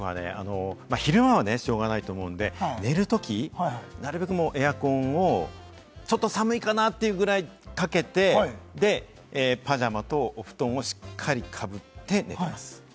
昼間はしょうがないと思うので寝るとき、なるべくエアコンをちょっと寒いかなというぐらいかけて、パジャマとお布団をしっかりかぶって寝てます。